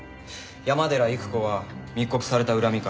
山寺郁子は密告された恨みから口を。